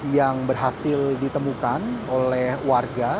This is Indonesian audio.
yang berhasil ditemukan oleh warga